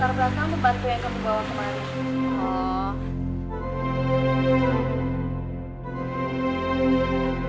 tunggu saya mau nyanyi